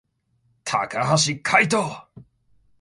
高橋海人